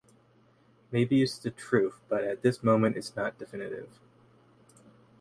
Maybe it's the truth, but at this moment it's not definitive.